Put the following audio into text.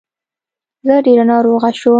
زه ډير ناروغه شوم